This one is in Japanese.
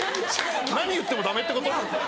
何言ってもダメってこと？